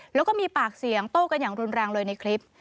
แล้วก็มีปากเสียงโต้กันอย่างรุนแรงเลยในคลิป